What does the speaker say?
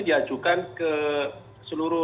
diajukan ke seluruh